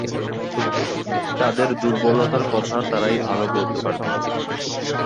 তাদের দুর্বলতার কথা তারাই ভালো বলতে পারবে।